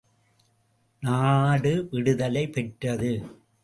நாடு விடுதலை பெற்றது.